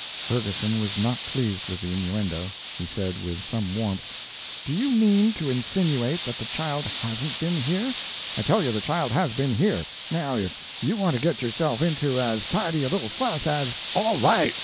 Ferguson was not pleased with the innuendo. He said, with some warmth, "Do you mean to insinuate that the child hasn't been here? I tell you the child has been here! Now if you want to get yourself into as tidy a little fuss as " "All right!"